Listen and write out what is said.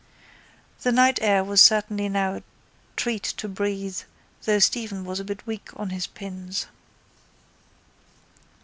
The night air was certainly now a treat to breathe though Stephen was a bit weak on his pins.